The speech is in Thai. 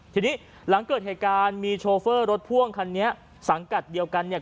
ทีนี้หลังเกิดเหตุการณ์มีโชเฟอร์รถพ่วงคันนี้สังกัดเดียวกันเนี่ย